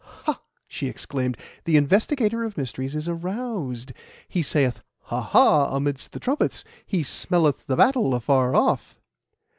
"Ha!" she exclaimed, "the investigator of mysteries is aroused. He saith, 'Ha! ha!' amidst the trumpets; he smelleth the battle afar off."